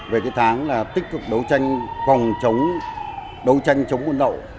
về cái tháng là tích cực đấu tranh phòng chống đấu tranh chống buôn lậu